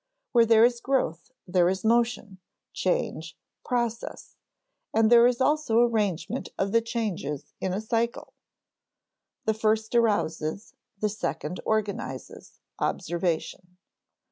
Where there is growth, there is motion, change, process; and there is also arrangement of the changes in a cycle. The first arouses, the second organizes, observation.